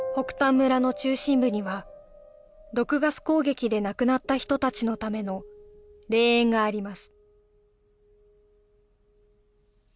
村の中心部には毒ガス攻撃で亡くなった人たちのための霊園があります